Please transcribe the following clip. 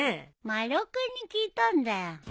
丸尾君に聞いたんだよ。